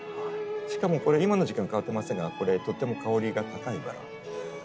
しかもこれ今の時間は香ってませんがこれとっても香りが高いバラ。